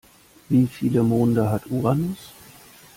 Wie viele Monde hat Uranus?